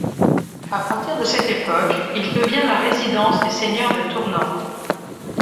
À partir de cette époque, il devient la résidence des seigneurs de Tournan.